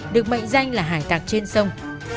được mệnh danh là hải tạc trên sông